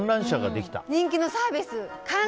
人気のサービス。